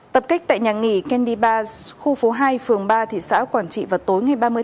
tập kích tại nhà nghỉ candy bar khu phố hai phường ba thị xã quản trị